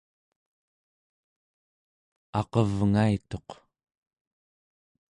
aqevngaituq